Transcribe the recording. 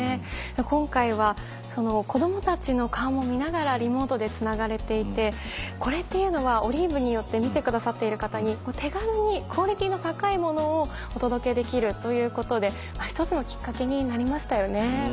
今回は子どもたちの顔も見ながらリモートでつながれていてこれっていうのはＯＬＩＶＥによって見てくださっている方に手軽にクオリティーの高いものをお届けできるということで一つのきっかけになりましたよね。